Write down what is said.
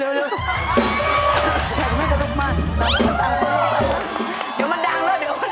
เสียบรรยาภาพ